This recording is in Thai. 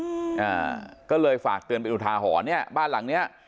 อ่าก็เลยฝากเตือนเป็นอุทาหรณ์เนี้ยบ้านหลังเนี้ย